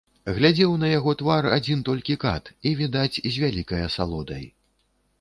Глядзеў на яго твар адзін толькі кат, і, відаць, з вялікай асалодай.